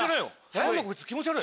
何だこいつ気持ち悪い。